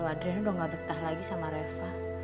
adriana udah gak betah lagi sama reva